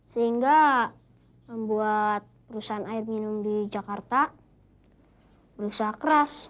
sehingga membuat perusahaan air minum di jakarta berusaha keras